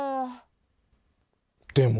でも。